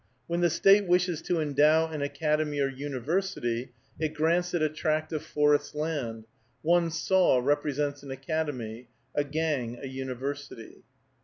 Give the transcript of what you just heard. When the State wishes to endow an academy or university, it grants it a tract of forest land: one saw represents an academy; a gang, a university.